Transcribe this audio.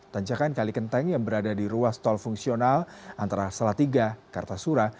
tanjakan kalikenteng yang berada di ruas tol fungsional antara salatiga kartasura